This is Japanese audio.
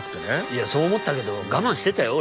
いやそう思ったけど我慢してたよ